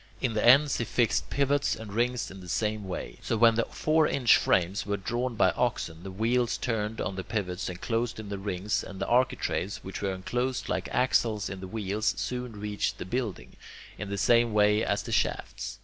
In the ends he fixed pivots and rings in the same way. So when the four inch frames were drawn by oxen, the wheels turned on the pivots enclosed in the rings, and the architraves, which were enclosed like axles in the wheels, soon reached the building, in the same way as the shafts.